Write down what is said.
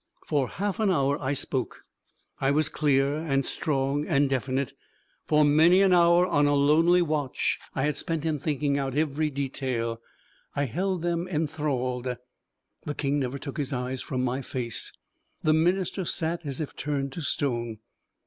For half an hour I spoke. I was clear and strong and definite, for many an hour on a lonely watch I had spent in thinking out every detail. I held them enthralled. The King never took his eyes from my face. The Minister sat as if turned to stone.